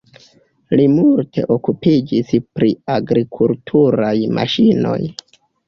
Li multe okupiĝis pri agrikulturaj maŝinoj.